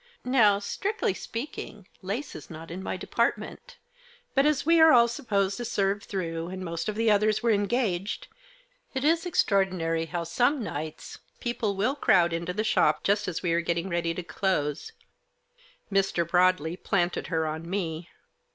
Now, strictly speaking, lace is not in my department, but as we are all supposed to serve through, and most of the others were engaged — it is extraordinary how, some nights, people will crowd into the shop just as we are getting ready to close — Mr. Broadley planted her on me.